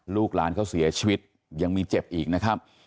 ลูกหลานเขาเสียชีวิตยังมีเจ็บอีกนะครับ